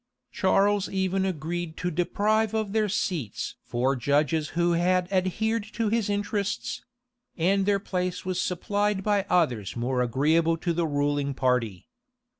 Charles even agreed to deprive of their seats four judges who had adhered to his interests; and their place was supplied by others more agreeable to the ruling party.